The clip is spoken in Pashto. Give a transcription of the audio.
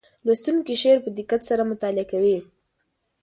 لوستونکی شعر په دقت سره مطالعه کوي.